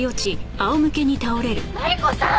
マリコさん！